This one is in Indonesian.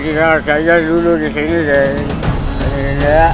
kita harus saja dulu di sini aduh